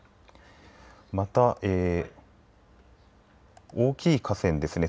また大きい河川ですね。